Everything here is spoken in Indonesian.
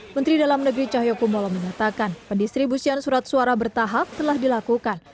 menteri dalam negeri cahyokumolo menyatakan pendistribusian surat suara bertahap telah dilakukan